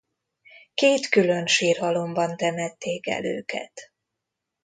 Két külön sírhalomban temették el őket.